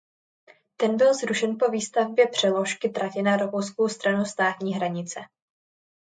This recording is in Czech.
Ten byl zrušen po výstavbě přeložky tratě na rakouskou stranu státní hranice.